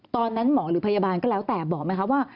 ตอนนั้นหมอหรือพยาบาลก็แล้วแต่บอกไหมคะว่า